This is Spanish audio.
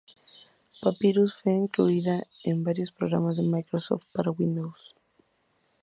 Papyrus fue incluida en varios programas de Microsoft para Windows.